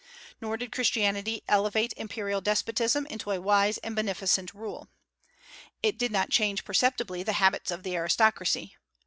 Nor did Christianity elevate imperial despotism into a wise and beneficent rule. It did not change perceptibly the habits of the aristocracy.